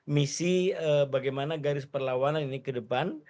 misi bagaimana garis perlawanan ini ke depan